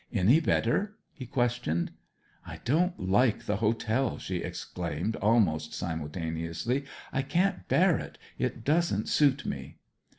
'Any better?' he questioned. 'I don't like the hotel,' she exclaimed, almost simultaneously. 'I can't bear it it doesn't suit me!'